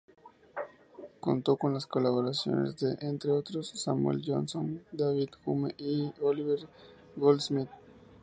Contó con las colaboraciones de, entre otros, Samuel Johnson, David Hume y Oliver Goldsmith.